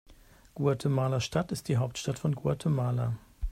Guatemala-Stadt ist die Hauptstadt von Guatemala.